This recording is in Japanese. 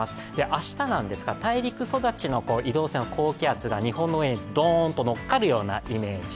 明日は大陸育ちの移動性の高気圧が日本の上にドーンと乗っかるようなイメージ。